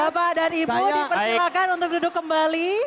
bapak dan ibu dipersilakan untuk duduk kembali